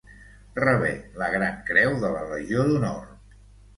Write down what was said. Rebé la Gran creu de la Legió d'Honor.